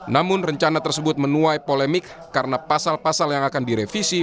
namun rencana tersebut menuai polemik karena pasal pasal yang akan direvisi